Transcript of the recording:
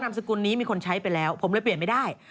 สกุลนี้มีคนใช้ไปแล้วผมเลยเปลี่ยนไม่ได้